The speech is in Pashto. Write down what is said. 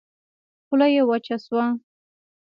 خوله يې وچه شوه.